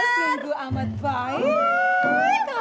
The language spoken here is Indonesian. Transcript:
oh sungguh amat baik